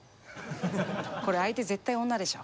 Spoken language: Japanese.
これ相手絶対女でしょ？